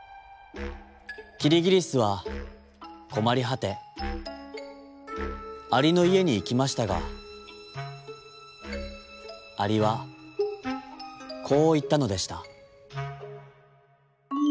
キリギリスはこまりはてアリのいえにいきましたがアリはこういったのでした。